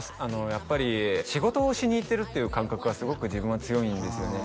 やっぱり仕事をしに行ってるっていう感覚がすごく自分は強いんですよね